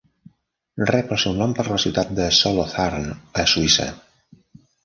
Rep el seu nom per la ciutat de Solothurn a Suïssa.